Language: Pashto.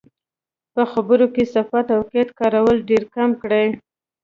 په خبرو کې صفت او قید کارول ډېرکم کړئ.